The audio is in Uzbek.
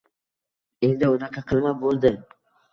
Endi unaqa qilma” boʻldi